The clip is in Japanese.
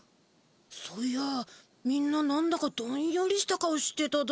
そういやみんななんだかどんよりした顔してただ。